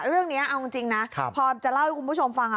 เรื่องเนี้ยเอาจริงจริงนะครับพอจะเล่าให้คุณผู้ชมฟังอ่ะ